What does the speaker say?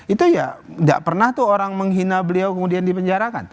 itu ya nggak pernah tuh orang menghina beliau kemudian dipenjarakan